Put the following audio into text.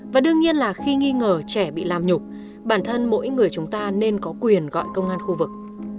và đương nhiên là khi nghi ngờ trẻ bị làm nhục bản thân mỗi người chúng ta nên có quyền gọi công an khu vực